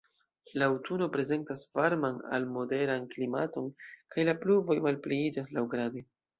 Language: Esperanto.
La aŭtuno prezentas varman al moderan klimaton, kaj la pluvoj malpliiĝas laŭgrade.